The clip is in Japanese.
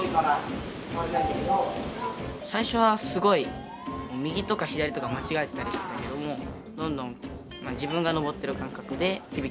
最初はすごい右とか左とか間違えてたりしてたけどもどんどん自分が登ってる感覚でひびきに教えられたと思う。